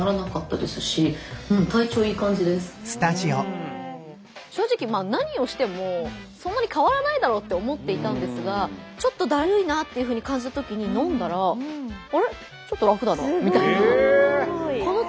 何か正直何をしてもそんなに変わらないだろうって思っていたんですがちょっとだるいなっていうふうに感じた時に飲んだらすごい。